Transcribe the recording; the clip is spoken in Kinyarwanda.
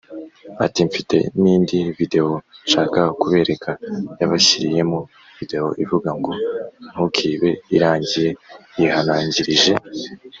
ati mfite n indi videwo nshaka kubereka Yabashyiriyemo videwo ivuga ngo Ntukibe Irangiye yihanangirije